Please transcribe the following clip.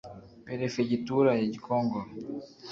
Perefegitura ya Gikongoro